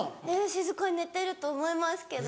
静かに寝てると思いますけど。